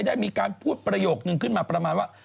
ได้มีการพูดประโยคนึงขึ้นมาประมาณว่า